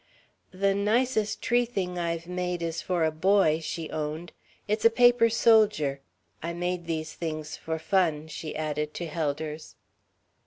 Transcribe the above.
"The nicest tree thing I've made is for a boy," she owned. "It's a paper soldier.... I made these things for fun," she added to Helders.